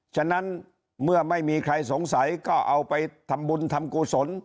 ฉะนั้นเมื่อไม่มีใครสงสัยก็เอาไปทำบุญทำกุศล